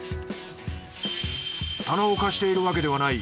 棚を貸しているわけではない。